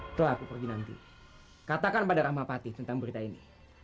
setelah aku pergi nanti katakan pada rahmapati tentang berita ini